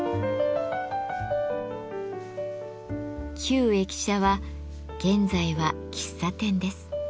旧駅舎は現在は喫茶店です。